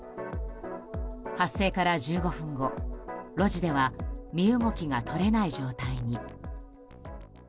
発生から１５分後、路地では身動きが取れない状態に。